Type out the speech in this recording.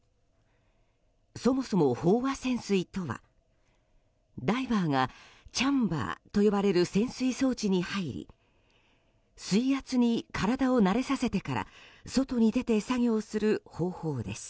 そもそも、飽和潜水とはダイバーがチャンバーと呼ばれる潜水装置に入り水圧に体を慣れさせてから外に出て作業する方法です。